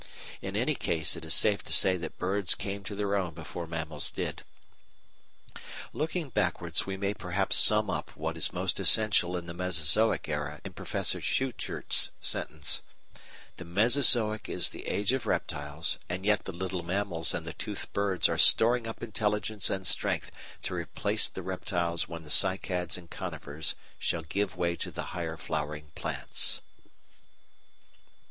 In any case it is safe to say that birds came to their own before mammals did. Looking backwards, we may perhaps sum up what is most essential in the Mesozoic era in Professor Schuchert's sentence: "The Mesozoic is the Age of Reptiles, and yet the little mammals and the toothed birds are storing up intelligence and strength to replace the reptiles when the cycads and conifers shall give way to the higher flowering plants."